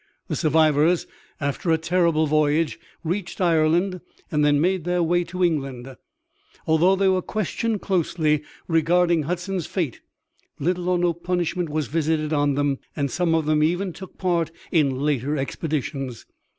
The survivors, after a terrible voyage, reached Ireland and then made their way to England. Although they were questioned closely regarding Hudson's fate, little or no punishment was visited on them and some of them even took part in later expeditions.